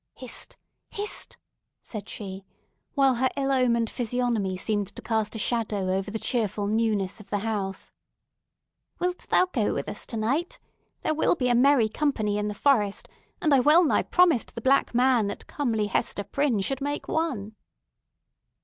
"Hist, hist!" said she, while her ill omened physiognomy seemed to cast a shadow over the cheerful newness of the house. "Wilt thou go with us tonight? There will be a merry company in the forest; and I well nigh promised the Black Man that comely Hester Prynne should make one."